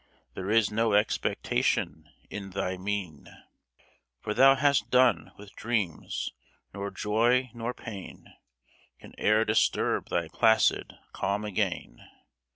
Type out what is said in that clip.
There is no expectation in thy mien, For thou hast done with dreams. Nor joy nor pain Can e'er disturb thy placid calm again.